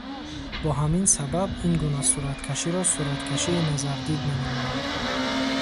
Бо ҳамин сабаб ин гуна сураткаширо сураткашии назардид меноманд.